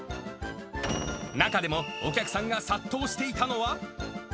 中でもお客さんが殺到していたのは。